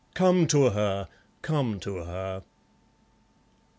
Come to her, come to her!"